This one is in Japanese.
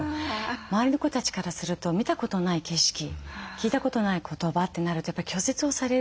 周りの子たちからすると見たことない景色聞いたことない言葉ってなるとやっぱり拒絶をされる。